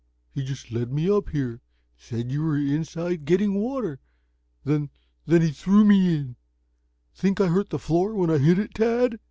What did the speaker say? He just led me up here. Said you were inside getting water. Then then he threw me in. Think I hurt the floor when I hit it, Tad?"